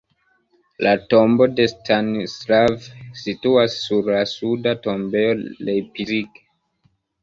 La tombo de Stanislav situas sur la suda tombejo Leipzig.